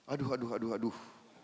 aduh aduh aduh aduh